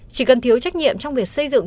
chỉ cần thiếu trách nhiệm trong việc xây dựng